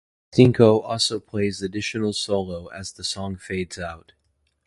Stinco also plays additional solo as the song fades out.